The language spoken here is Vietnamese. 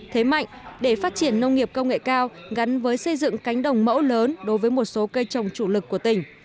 thế mạnh để phát triển nông nghiệp công nghệ cao gắn với xây dựng cánh đồng mẫu lớn đối với một số cây trồng chủ lực của tỉnh